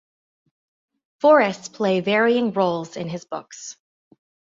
Forests play varying roles in his books.